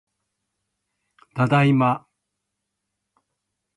ただいま